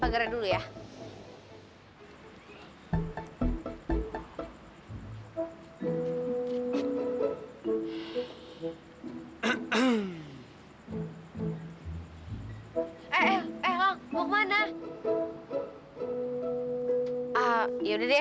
pak teran pak teran